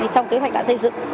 trong kế hoạch đã xây dựng